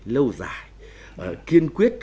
lâu dài kiên quyết